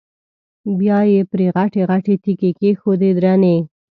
بیا یې پرې غټې غټې تیږې کېښودې درنې.